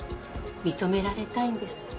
認められたいんです